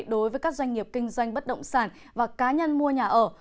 đối với các doanh nghiệp kinh doanh bất động sản và cá nhân mua nhà ở